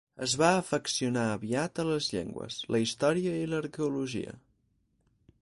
Es va afeccionar aviat a les llengües, la història i l'arqueologia.